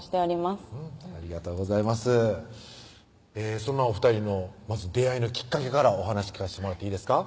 そんなお２人のまず出会いのきっかけからお話聞かしてもらっていいですか？